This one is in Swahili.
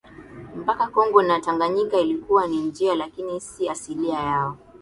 mpaka Kongo na Tanganyika ilikuwa ni njia lakini si asili yao